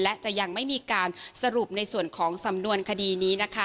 และจะยังไม่มีการสรุปในส่วนของสำนวนคดีนี้นะคะ